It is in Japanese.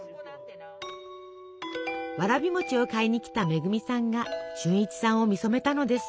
わらび餅を買いにきた恵さんが俊一さんを見初めたのです。